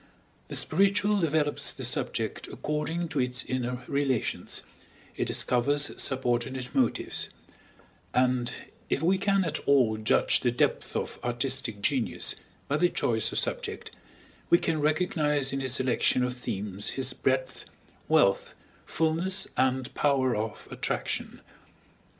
The spiritual develops the subject according to its inner relations, it discovers subordinate motives; and, if we can at all judge the depth of ar artistic genius by the choice of subject, we can recognize in his selection of themes his breadth, wealth, fullness, and power of attraction.